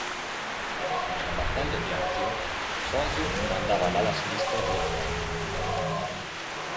Nella Battaglia di Azio, Sosio comandava l'ala sinistra della flotta.